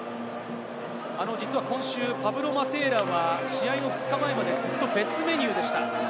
実は今週、パブロ・マテーラは試合の２日前までずっと別メニューでした。